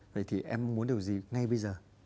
vậy thì em muốn điều gì ngay bây giờ